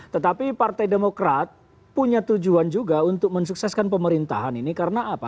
tetapi partai demokrat punya tujuan juga untuk mensukseskan pemerintahan ini karena apa